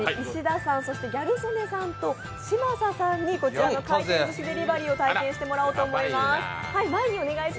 石田さん、ギャル曽根さんと嶋佐さんにこちらの回転ずしデリバリーを体験してもらいたいと思います。